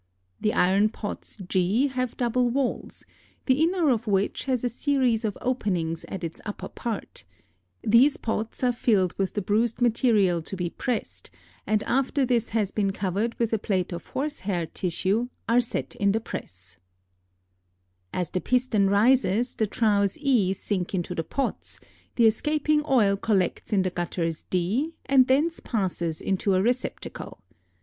The iron pots G have double walls, the inner of which has a series of openings at its upper part; these pots are filled with the bruised material to be pressed and after this has been covered with a plate of horse hair tissue are set in the press. [Illustration: FIG. 7.] [Illustration: FIG. 8.] As the piston rises, the troughs E sink into the pots, the escaping oil collects in the gutters d and thence passes into a receptacle.